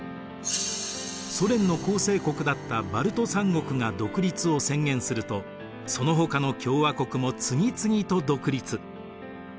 ソ連の構成国だったバルト３国が独立を宣言するとそのほかの共和国も次々と独立。